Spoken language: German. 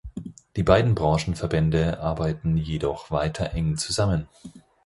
Die beiden Branchenverbände arbeiten jedoch weiter eng zusammen.